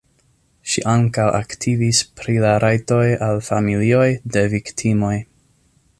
Ŝi ankaŭ aktivis pri la rajtoj al familioj de viktimoj.